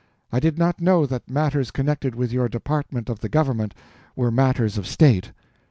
I did not know that matters connected with your department of the government were matters of state."